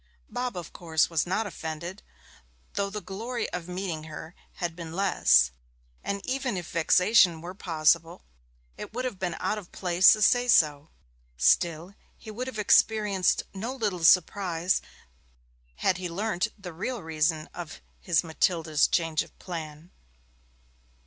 Bob, of course, was not offended, though the glory of meeting her had been less; and even if vexation were possible, it would have been out of place to say so. Still, he would have experienced no little surprise had he learnt the real reason of his Matilda's change of plan.